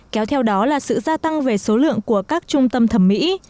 kéo theo đó là sự gia tăng về số lượng của các trung tâm thẩm mỹ